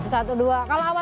satu dua kalau awal awal